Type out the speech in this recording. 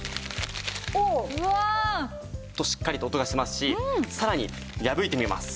おお！としっかりと音がしますしさらに破いてみます。